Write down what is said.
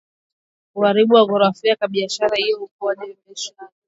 ukaribu wao kijografia na mahusiano ya huko nyuma ya kibiashara na nchi hiyo Ukuaji wa Biashara